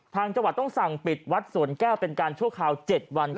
จังหวัดต้องสั่งปิดวัดสวนแก้วเป็นการชั่วคราว๗วัน